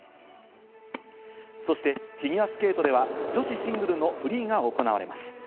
そしてフィギュアスケートでは女子シングルのフリーが行われます。